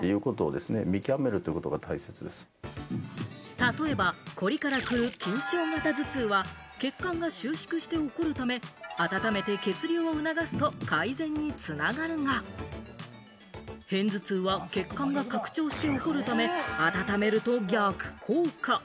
例えばコリから来る緊張型頭痛は、血管が収縮して起こるため、温めて血流を促すと改善に繋がるが、片頭痛は血管が拡張して起こるため、温めると逆効果。